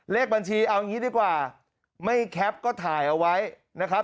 เลขบัญชีเอาอย่างนี้ดีกว่าไม่แคปก็ถ่ายเอาไว้นะครับ